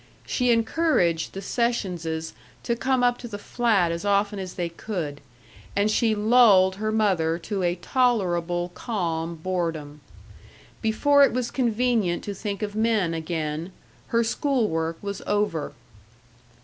She encouraged the Sessionses to come up to the flat as often as they could, and she lulled her mother to a tolerable calm boredom. Before it was convenient to think of men again, her school work was over.